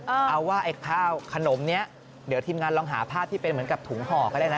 เอาว่าไอ้ข้าวขนมเนี้ยเดี๋ยวทีมงานลองหาภาพที่เป็นเหมือนกับถุงห่อก็ได้นะ